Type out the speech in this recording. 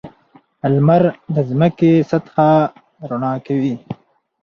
• لمر د ځمکې سطحه رڼا کوي.